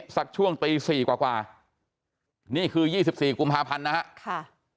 สักช่วงตี๔กว่านี่คือ๒๔กุมภาพันธ์นะครับ